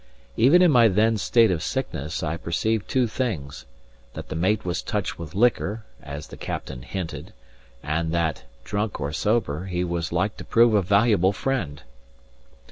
Even in my then state of sickness, I perceived two things: that the mate was touched with liquor, as the captain hinted, and that (drunk or sober) he was like to prove a valuable friend.